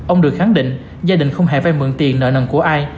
ông được khẳng định gia đình không hề vay mượn tiền nợ nần của ai